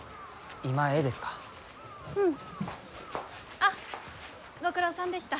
あっご苦労さんでした。